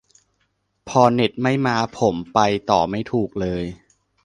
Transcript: พอเน็ตไม่มาผมไปต่อไม่ถูกเลย